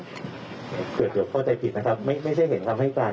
เกือบเข้าใจผิดนะครับไม่ใช่เห็นคำให้การ